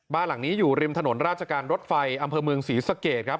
บ้านหลังนี้อยู่ริมถนนราชการรถไฟอำเภอเมืองศรีสะเกดครับ